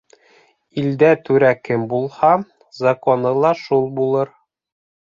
Илдә түрә кем булһа, законы ла шул булыр.